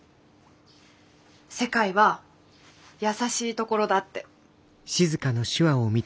世界は優しいところだって。